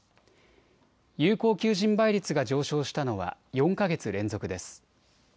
有効求人倍率が上昇したのは４か月連続です。